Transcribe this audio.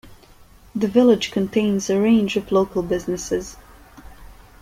The village contains a range of local businesses.